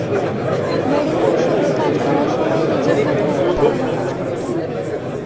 মরিনহোর সঙ্গে কাজ করার সময়ে নিজের ভেতর একটা তাড়না কাজ করত।